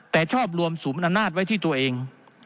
แต่ชอบรวมศูนย์อำนาจไว้ที่ตัวเอง